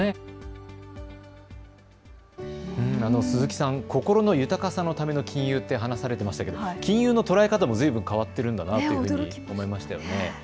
鈴木さん、心の豊かさのための金融って話されてましたけど金融の捉え方もずいぶん変わってるんだなと思いましたね。